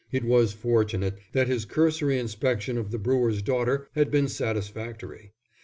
It was fortunate that his cursory inspection of the brewer's daughter had been satisfactory.